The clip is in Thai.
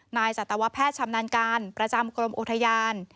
สัตวแพทย์ชำนาญการประจำกรมอุทยาน